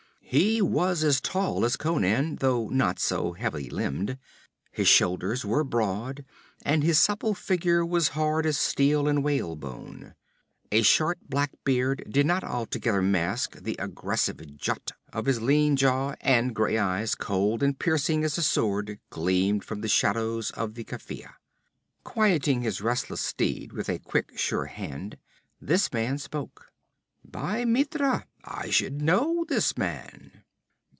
He was as tall as Conan, though not so heavy limbed. His shoulders were broad and his supple figure was hard as steel and whalebone. A short black beard did not altogether mask the aggressive jut of his lean jaw, and gray eyes cold and piercing as a sword gleamed from the shadow of the kafieh. Quieting his restless steed with a quick, sure hand, this man spoke: 'By Mitra, I should know this man!'